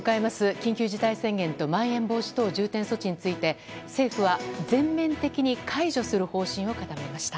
緊急事態宣言とまん延防止等重点措置について政府は全面的に解除する方針を固めました。